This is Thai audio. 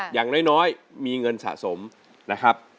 อย่างน้อยมีเงินสะสมนะครับ